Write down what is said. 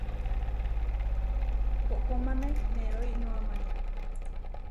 Koʼkómane neroinoamane.